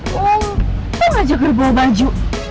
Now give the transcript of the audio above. kok gak jago bawa baju